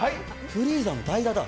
フリーザの代打だ。